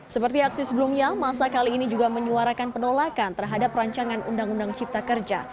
seperti aksi sebelumnya masa kali ini juga menyuarakan penolakan terhadap rancangan undang undang cipta kerja